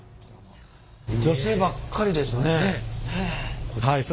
女性ばっかりですね。